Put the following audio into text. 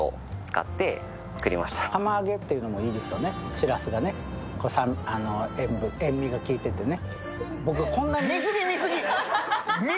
しらすがね、塩みが効いててね。